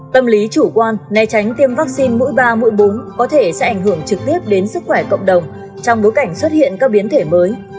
tâm lý chủ quan né tránh tiêm vaccine mũi ba mũi búng có thể sẽ ảnh hưởng trực tiếp đến sức khỏe cộng đồng trong bối cảnh xuất hiện các biến thể mới